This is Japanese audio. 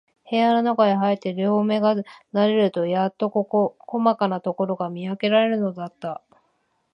部屋のなかへ入って、両眼が慣れるとやっと、こまかなところが見わけられるのだった。